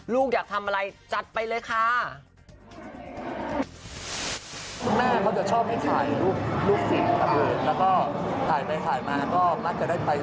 ลูกอยากทำอะไรจัดไปเลยค่ะ